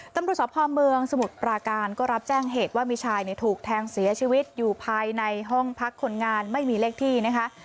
ตำรวจสภเมืองสมุทรปราการก็รับแจ้งเหตุว่ามีชายถูกแทงเสียชีวิตอยู่ภายในห้องพักคนงานไม่มีเลขที่นะคะ